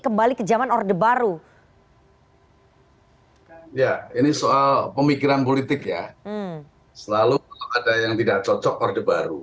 kembali ke zaman orde baru ya ini soal pemikiran politik ya selalu kalau ada yang tidak cocok orde baru